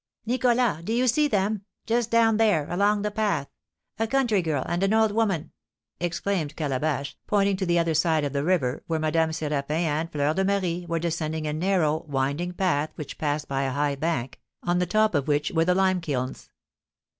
"Nicholas, do you see them? Just down there, along the path, a country girl and an old woman!" exclaimed Calabash, pointing to the other side of the river, where Madame Séraphin and Fleur de Marie were descending a narrow, winding path which passed by a high bank, on the top of which were the lime kilns.